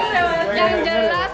jangan jelas pariwisata lebih maju